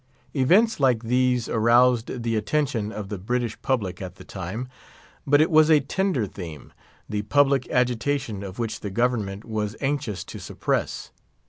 Events like these aroused the attention of the British public at the time. But it was a tender theme, the public agitation of which the government was anxious to suppress.